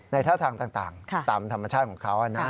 ท่าทางต่างตามธรรมชาติของเขานะ